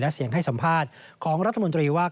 และเสียงให้สัมภาษณ์ของรัฐมนตรีว่า